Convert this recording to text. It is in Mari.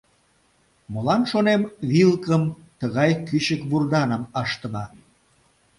Молан, шонем, вилкым тыгай кӱчык вурданым ыштыме.